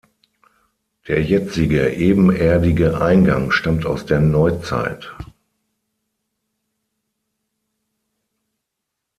Der jetzige ebenerdige Eingang stammt aus der Neuzeit.